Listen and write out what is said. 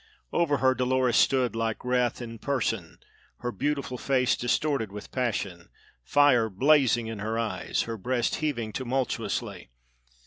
Over her Dolores stood like Wrath in person, her beautiful face distorted with passion, fire blazing in her eyes, her breast heaving tumultuously.